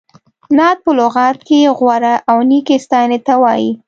نعت په لغت کې غوره او نېکې ستایینې ته وایي.